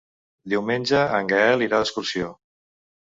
Diumenge en Gaël irà d'excursió.